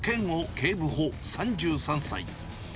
警部補３３歳。